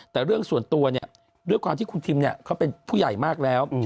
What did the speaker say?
แต่เรื่องส่วนตัวเนี่ยด้วยความที่คุณทิมเนี่ยเขาเป็นผู้ใหญ่มากแล้ว